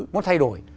muốn thay đổi